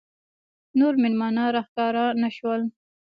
نور مېلمانه راښکاره نه شول.